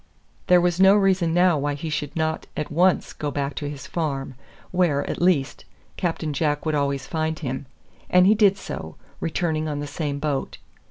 There was no reason now why he should not at once go back to his farm, where, at least, Captain Jack would always find him; and he did so, returning on the same boat.